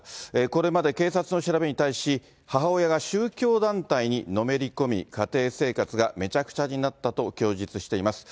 これまで警察の調べに対し、母親が宗教団体にのめり込み、家庭生活がめちゃくちゃになったと供述しています。